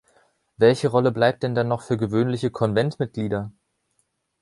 Welche Rolle bleibt denn dann noch für gewöhnliche Konventmitglieder?